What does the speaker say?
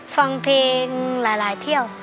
ฟังเพลงหลายเที่ยว